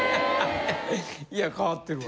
いや変わってるわ。